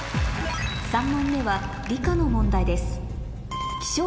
３問目は理科の問題です